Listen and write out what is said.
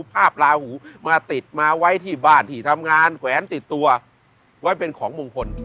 ภาพลาหูมาติดมาไว้ที่บ้านที่ทำงานแขวนติดตัวไว้เป็นของมงคล